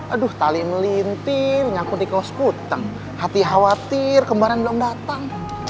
aduh tali melintir nyakut di kaos puteng hati khawatir kemarin belum datang